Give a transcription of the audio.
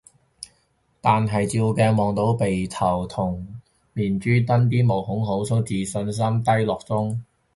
但係照鏡望到鼻頭同面珠墩啲毛孔好粗，自信心低落中